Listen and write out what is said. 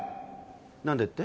何でって？